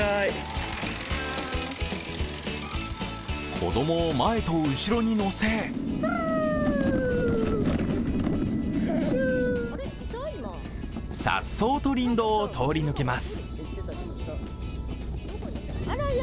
子供を前と後ろに乗せ、颯爽と林道を通り抜けます。